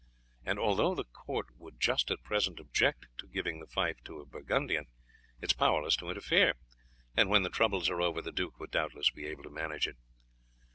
And, although the court would just at present object to give the fief to a Burgundian, it is powerless to interfere, and when the troubles are over, the duke would doubtless be able to manage it."